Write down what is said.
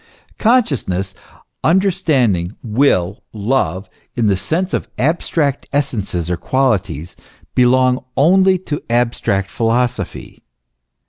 Consciousness, understanding, will, love, in the sense of abstract essences or qualities, belong only to abstract philosophy.